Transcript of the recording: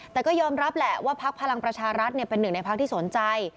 แต่ก็ยอมรับแหละว่าพักพลังประชารัฐเป็นหนึ่งในพักที่สนใจ